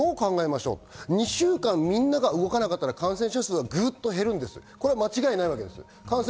２週間みんなが動かなかったら、感染者数はぐっと減るというのは間違いない。